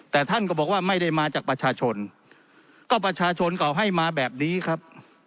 แต่ท่านก็บอกว่าไม่ได้มาจากประชาชนก็ประชาชนเก่าให้มาแบบนี้ครับ